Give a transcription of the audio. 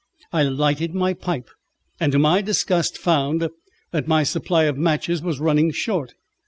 I lighted my pipe, and to my disgust found that my supply of matches was running short.